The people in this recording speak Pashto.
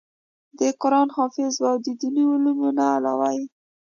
د قران حافظ وو او د ديني علومو نه علاوه ئې